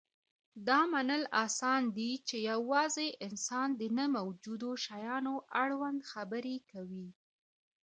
دا منل اسان دي، چې یواځې انسان د نه موجودو شیانو اړوند خبرې کوي.